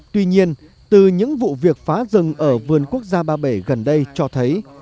tuy nhiên từ những vụ việc phá rừng ở vườn quốc gia ba bể gần đây cho thấy